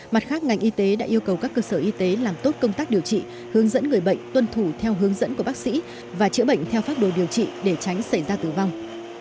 mặt khác ngành y tế đã yêu cầu các cơ sở y tế làm tốt công tác điều trị hướng dẫn người bệnh tuân thủ theo hướng dẫn của bác sĩ và chữa bệnh theo phác đồ điều trị để tránh xảy ra tử vong